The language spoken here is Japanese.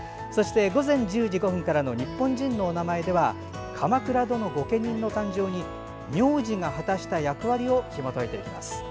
そして午前１０時５分からの「日本人のおなまえ」では鎌倉殿御家人の誕生に名字が果たした役割をひもといていきます。